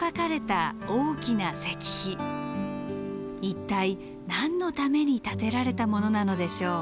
一体何のために建てられたものなのでしょう？